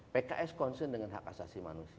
pks concern dengan hak asasi manusia